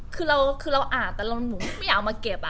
ก็คือเราอ่ากแต่ไม่เอามาเก็บ